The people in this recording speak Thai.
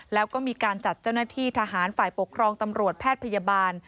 แล้วก็มีการจัดเจ้าหน้าที่ทหารฝ่ายปกครองตำรวจแพทย์พยาบาล